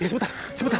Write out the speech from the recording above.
iya sebentar sebentar